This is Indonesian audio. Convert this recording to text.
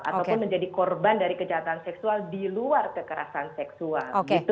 ataupun menjadi korban dari kejahatan seksual di luar kekerasan seksual